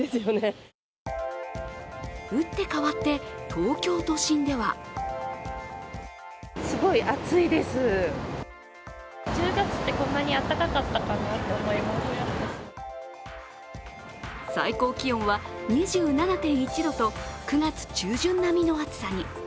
打って変わって、東京都心では最高気温は２７．１度と、９月中旬並みの暑さに。